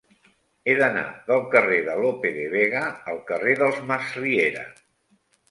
He d'anar del carrer de Lope de Vega al carrer dels Masriera.